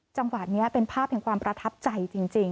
จังหวะนี้เป็นภาพแห่งความประทับใจจริง